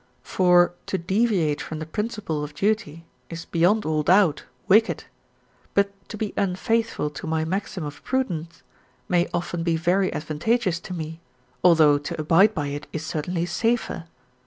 For to deviate from the principle of duty is beyond all doubt wicked; but to be unfaithful to my maxim of prudence may often be very advantageous to me, although to abide by it is certainly safer.